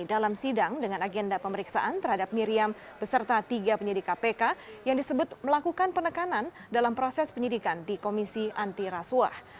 dalam sidang dengan agenda pemeriksaan terhadap miriam beserta tiga penyidik kpk yang disebut melakukan penekanan dalam proses penyidikan di komisi anti rasuah